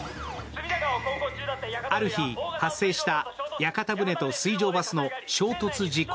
ある日、発生した屋形船と水上バスの衝突事故。